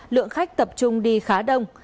lượng khách tập trung đi khá đông